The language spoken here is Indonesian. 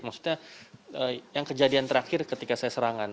maksudnya yang kejadian terakhir ketika saya serangan